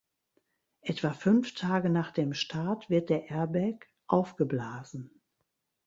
Etwa fünf Tage nach dem Start wird der Airbag aufgeblasen.